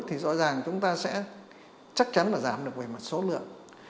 thì rõ ràng chúng ta sẽ chắc chắn là giảm được về mặt số lượng